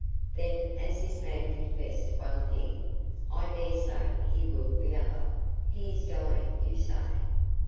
"Then as this man confessed one thing, I dare say he will the other. He is dying, you say?"